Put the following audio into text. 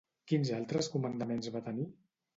Quins altres comandaments va tenir?